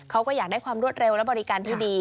เขาก็อยากได้ความรวดเร็วและบริการที่ดี